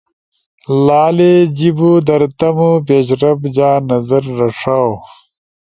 لالے جیِبو در تمو پیشرفت جا نظر رݜا اؤ